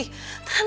tante gak mau